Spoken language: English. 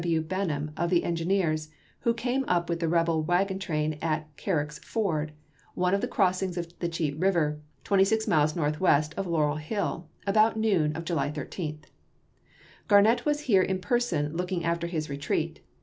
W. Benham of the engineers, which came up with the rebel wagon train at Carrick's Ford, one of the crossings of Cheat River, twenty six miles northwest of Laurel Hill, about noon of July 13. G arnett was here in person looking after his retreat.